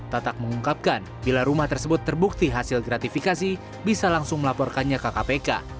tatak mengungkapkan bila rumah tersebut terbukti hasil gratifikasi bisa langsung melaporkannya ke kpk